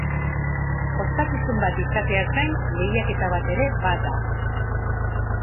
Ospakizun bat izateaz gain, lehiaketa bat ere bada.